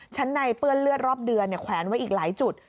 ชั้นในเปื้อนเลือดรอบเดือนแขวนไว้อีกหลายจุด